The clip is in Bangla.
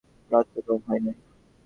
রাত তো কম হয় নাই?